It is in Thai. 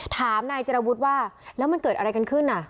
ถามนายเจรวุฒิว่าแล้วมันเกิดอะไรกันขึ้นอ่ะ